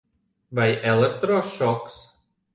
Vai elektrošoks?